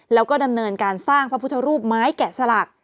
แล้วก็ดำเนินการสร้างพระพุทธรูปไม้แกะสลัก